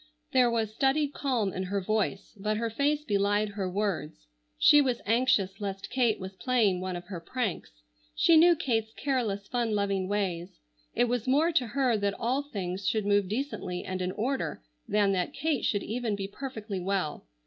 There was studied calm in her voice, but her face belied her words. She was anxious lest Kate was playing one of her pranks. She knew Kate's careless, fun loving ways. It was more to her that all things should move decently and in order than that Kate should even be perfectly well.